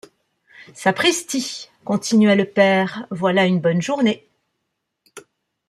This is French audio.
Sapristi! continua le père, voilà une bonne journée !...